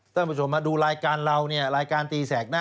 ท่านผู้ชมมาดูรายการเราเนี่ยรายการตีแสกหน้า